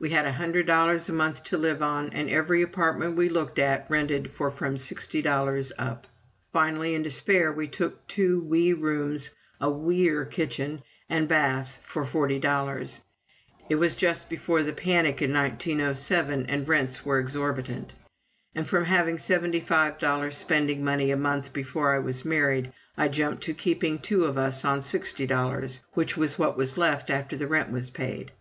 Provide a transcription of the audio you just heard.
We had a hundred dollars a month to live on, and every apartment we looked at rented for from sixty dollars up. Finally, in despair, we took two wee rooms, a wee er kitchen, and bath, for forty dollars. It was just before the panic in 1907, and rents were exorbitant. And from having seventy five dollars spending money a month before I was married, I jumped to keeping two of us on sixty dollars, which was what was left after the rent was paid.